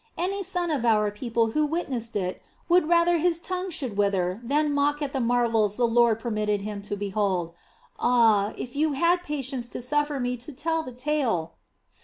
Any son of our people who witnessed it would rather his tongue should wither than mock at the marvels the Lord permitted him to behold. Ah, if you had patience to suffer me to tell the tale...."